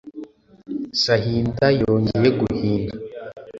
sahinda yongeye guhinda